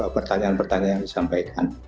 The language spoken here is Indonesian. pertanyaan pertanyaan yang disampaikan